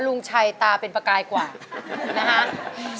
ลุงชัยตาเป็นประกายกว่านะฮะ